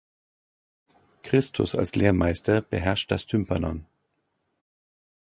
Christus als Lehrmeister beherrscht das Tympanon.